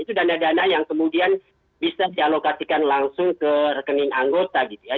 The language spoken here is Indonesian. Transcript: itu dana dana yang kemudian bisa dialokasikan langsung ke rekening anggota gitu ya